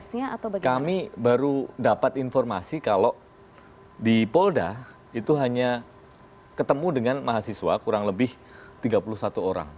kami baru dapat informasi kalau di polda itu hanya ketemu dengan mahasiswa kurang lebih tiga puluh satu orang